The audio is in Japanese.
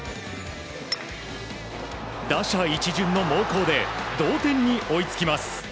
打者一巡の猛攻で同点に追いつきます。